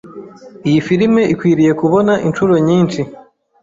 Iyi firime ikwiriye kubona inshuro nyinshi.